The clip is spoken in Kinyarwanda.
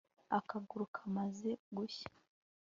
agahuru kamaze gushya